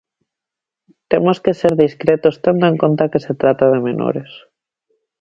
Temos que ser discretos, tendo en conta que se trata de menores.